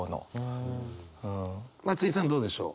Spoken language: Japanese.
松居さんどうでしょう。